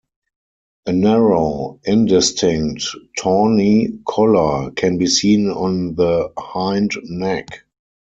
A narrow, indistinct tawny collar can be seen on the hindneck.